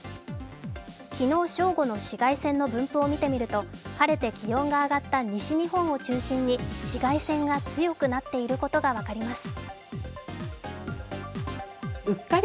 昨日正午の紫外線の分布をみていくと晴れて気温が上がった西日本を中心に紫外線が強くなっていることが分かります。